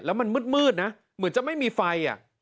แล้วมันมืดนะเหมือนจะไม่มีไฟ